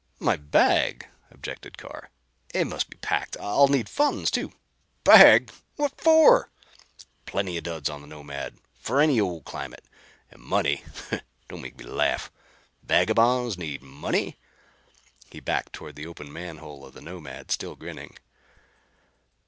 "My bag," objected Carr, "it must be packed. I'll need funds too." "Bag! What for? Plenty of duds on the Nomad for any old climate. And money don't make me laugh! Vagabonds need money?" He backed toward the open manhole of the Nomad, still grinning.